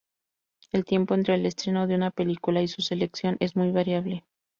El tiempo entre el estreno de una película y su selección es muy variable.